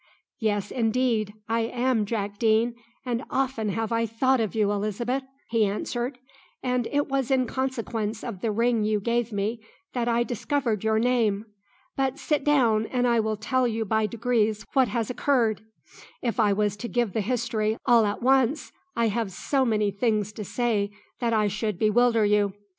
"Yes, indeed I am Jack Deane and often have I thought of you, Elizabeth!" he answered; "and it was in consequence of the ring you gave me that I discovered your name. But sit down, and I will tell you by degrees what has occurred. If I was to give the history all at once, I have so many things to say that I should bewilder you.